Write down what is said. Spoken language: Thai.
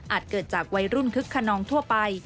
เกิดจากวัยรุ่นคึกขนองทั่วไป